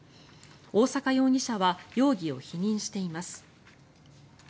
大坂容疑者は容疑を否認しています。